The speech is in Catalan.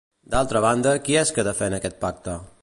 D'altra banda, qui és que defèn aquest pacte?